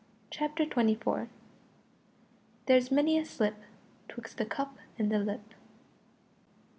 CHAPTER TWENTY FOURTH. "There's many a slip Twixt the cup and the lip."